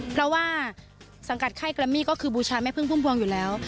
เพราะว่าสังกัดค่ายแกรมมี่ก็คือบูชาแม่พึ่งพุ่มพวงอยู่แล้ว